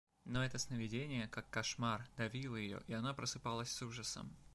Но это сновидение, как кошмар, давило ее, и она просыпалась с ужасом.